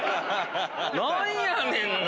何やねんな。